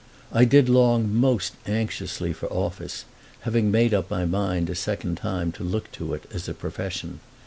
I did long most anxiously for office, having made up my mind a second time to look to it as a profession.